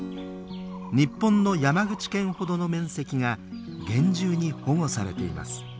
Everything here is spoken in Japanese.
日本の山口県ほどの面積が厳重に保護されています。